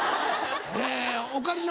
えオカリナ